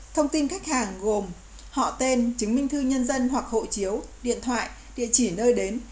thông tin khách hàng gồm họ tên chứng minh thư nhân dân hoặc hộ chiếu điện thoại địa chỉ nơi đến